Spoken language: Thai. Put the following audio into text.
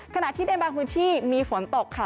ขณะที่ในบางพื้นที่มีฝนตกค่ะ